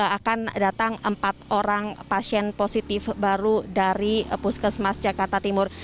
akan datang empat orang pasien positif baru dari puskesmas jakarta timur